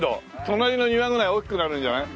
隣の庭ぐらい大きくなるんじゃない？